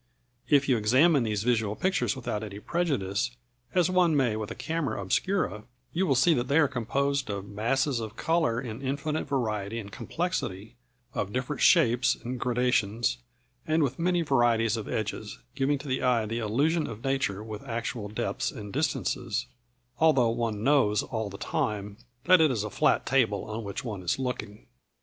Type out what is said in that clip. If you examine these visual pictures without any prejudice, as one may with a camera obscura, you will see that they are composed of masses of colour in infinite variety and complexity, of different shapes and gradations, and with many varieties of edges; giving to the eye the illusion of nature with actual depths and distances, although one knows all the time that it is a flat table on which one is looking.